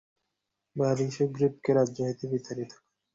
বালী সুগ্রীবকে রাজ্য হইতে বিতাড়িত করে।